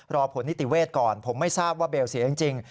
รอผลนิติเวทก่อนผมไม่ทราบว่าเบลเสียจริง